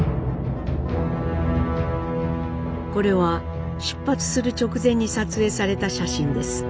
これは出発する直前に撮影された写真です。